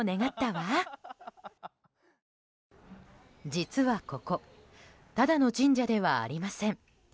実はここただの神社ではありません。